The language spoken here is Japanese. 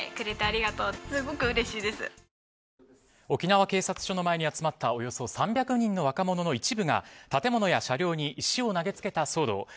沖縄警察署の前に集まったおよそ３００人の若者の一部が建物や車両に石を投げつけた騒動。